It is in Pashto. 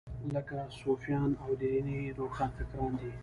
لکه صوفیان او دیني روښانفکران دي.